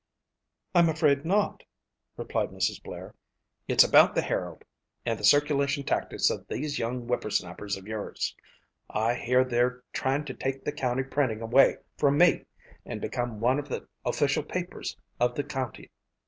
"I'm afraid not," replied Mrs. Blair. "It's about the Herald and the circulation tactics of these young whipper snappers of yours. I hear they're trying to take the county printing away from me and become one of the official papers of the county."